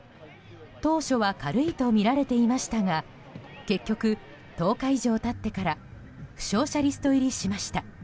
当初は軽いとみられていましたが結局１０日以上経ってから負傷者リスト入りしました。